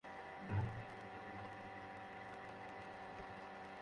প্রথমেই প্রশাসকত্ব পর্যালোচনা নীতিমালা সংশোধন বিষয়ক আলোচনা উত্থাপন করায় ধন্যবাদ ব্যক্ত করছি।